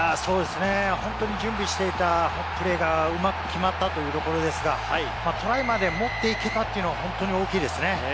本当に準備していたプレーがうまく決まったというところですが、トライまで持っていけたというのは本当に大きいですね。